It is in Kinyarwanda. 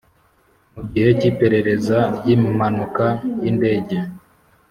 Mu gihe cy iperereza ry impanuka y indege